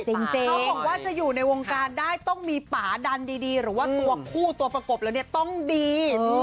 เขาบอกว่าจะอยู่ในวงการได้ต้องมีป่าดันดีหรือว่าตัวคู่ตัวประกบแล้วเนี่ยต้องดี